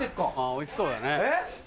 おいしそうだね。